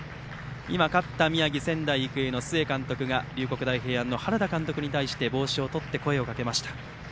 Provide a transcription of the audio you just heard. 勝った宮城の仙台育英須江航監督が龍谷大平安の原田監督に対して帽子を取って声をかけました。